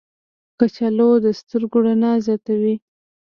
کچالو د سترګو رڼا زیاتوي.